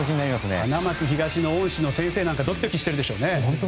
花巻東の恩師の先生はドキドキしているでしょうね。